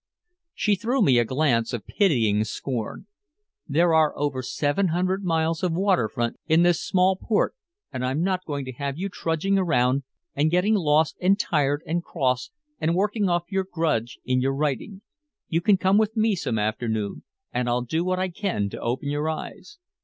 She threw me a glance of pitying scorn. "There are over seven hundred miles of waterfront in this small port, and I'm not going to have you trudging around and getting lost and tired and cross and working off your grudge in your writing. You come with me some afternoon and I'll do what I can to open your eyes."